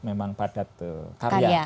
memang padat karya